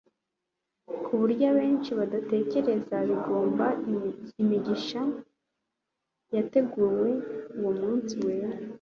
ku buryo abenshi badatekereza, bigomwa imigisha yateguriwe uwo munsi wera